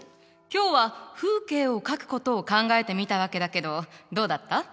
今日は風景を描くことを考えてみたわけだけどどうだった？